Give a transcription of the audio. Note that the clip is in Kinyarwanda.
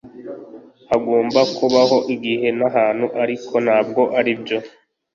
Hagomba kubaho igihe nahantu, ariko ntabwo aribyo.